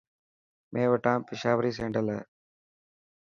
مين وٽا پشاوري سينڊل هي.